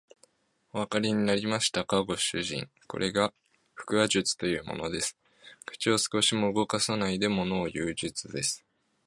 おわかりになりましたか、ご主人。これが腹話術というものです。口を少しも動かさないでものをいう術です。